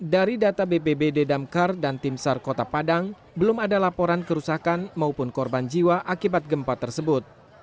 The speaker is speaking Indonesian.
dari data bbb dedamkar dan timsar kota padang belum ada laporan kerusakan maupun korban jiwa akibat gempa tersebut